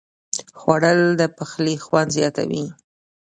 خوړل د پخلي خوند زیاتوي